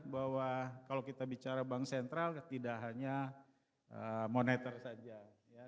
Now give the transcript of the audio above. bahwa kalau kita bicara bank sentral tidak hanya moneter saja